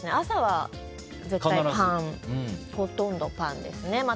朝は絶対パンほとんどパンですね。